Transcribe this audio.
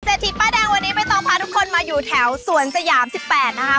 ทีป้ายแดงวันนี้ใบตองพาทุกคนมาอยู่แถวสวนสยาม๑๘นะคะ